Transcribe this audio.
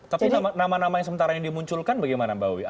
tapi nama nama yang sementara ini dimunculkan bagaimana mbak wiwi